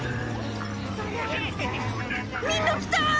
みんな来た！